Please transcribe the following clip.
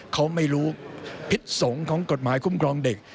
เขาไม่รู้พิษสงฆ์ของกฎหมายคุ้มครองเด็ก